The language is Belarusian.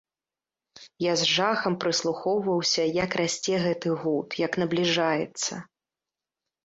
Я з жахам прыслухоўваўся, як расце гэты гуд, як набліжаецца.